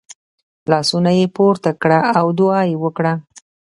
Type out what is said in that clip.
لاسونه یې پورته کړه او دعا یې وکړه .